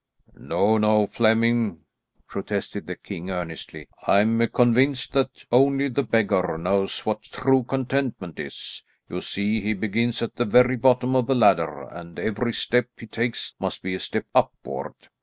"No, no, Flemming," protested the king earnestly. "I'm convinced that only the beggar knows what true contentment is. You see he begins at the very bottom of the ladder and every step he takes must be a step upward.